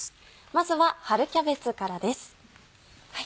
まずは春キャベツからです。